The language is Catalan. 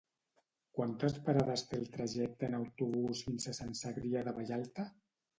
Quantes parades té el trajecte en autobús fins a Sant Cebrià de Vallalta?